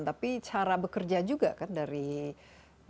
tapi cara bekerja juga kan dari timnya dari isn juga